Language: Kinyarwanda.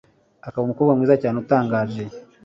akaba umukobwa mwiza cyane utangaje